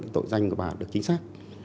tội danh của bà được chính xác